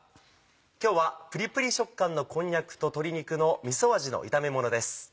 今日はぷりぷり食感のこんにゃくと鶏肉のみそ味の炒めものです。